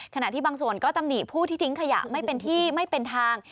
ขณะที่บางส่วนก็ตำหนิผู้ที่ทิ้งขยะไม่เป็นที่ไม่เป็นทาง